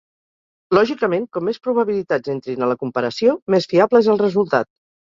Lògicament, com més probabilitats entrin a la comparació, més fiable és el resultat.